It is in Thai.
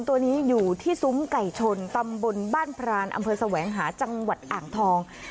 ตัวนี้อยู่ที่ซุ้มไก่ชนตำบลบ้านพรานอำเภอแสวงหาจังหวัดอ่างทอง